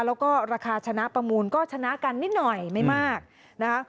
แล้วก็ราคาชนะประมูลก็ชนะกันนิดหน่อยไม่มากนะคะ